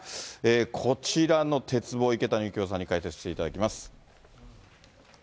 こちらの鉄棒、池谷幸雄さんに解説していただきます。